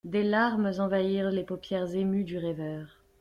Des larmes envahirent les paupières émues du rêveur.